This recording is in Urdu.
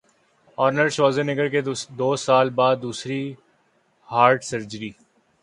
ارنلڈ شوازنگر کی دو سال بعد دوسری ہارٹ سرجری